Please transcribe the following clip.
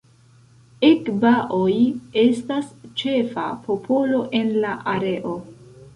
Egbaoj estas ĉefa popolo en la areo.